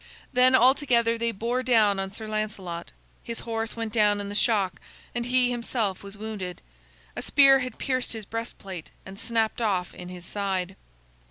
Then all together they bore down on Sir Lancelot. His horse went down in the shock, and he himself was wounded. A spear had pierced his breastplate and snapped off in his side.